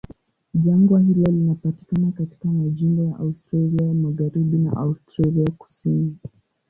Jangwa hilo linapatikana katika majimbo ya Australia Magharibi na Australia Kusini.